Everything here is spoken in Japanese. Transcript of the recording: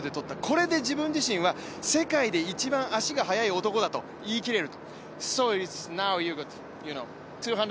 これで自分自身は世界で一番足が速い男だと言い切れる。